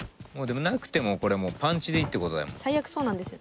もうでもなくてもこれもうパンチでいいってことだもん。